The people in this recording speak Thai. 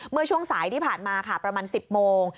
เมื่อช่วงสายที่ผ่านมาค่ะประมาณ๑๐โมง